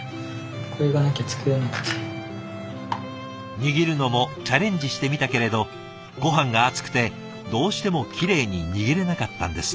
握るのもチャレンジしてみたけれどごはんが熱くてどうしてもきれいに握れなかったんですって。